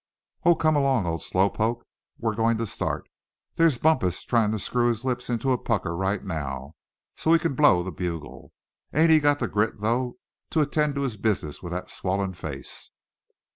"Oh! come along, old slow poke, we're going to start There's Bumpus trying to screw his lips into a pucker right now, so he can blow the bugle. Ain't he got the grit, though, to attend to his business with that swollen face?"